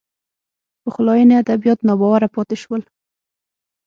پخلاینې ادبیات ناباوره پاتې شول